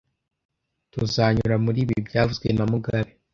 Tuzanyura muri ibi byavuzwe na mugabe